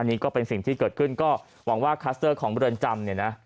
นี่ก็เป็นสิ่งที่เกิดขึ้นก็หวังว่าคลัสเตอร์ของเรือนจำเนี่ยนะ